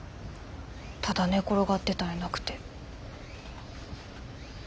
ただ寝転がってたんやなくて。